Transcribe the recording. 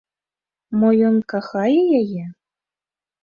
Мо ён кахае яе?